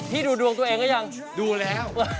ดูดวงตัวเองก็ยังดูแล้ว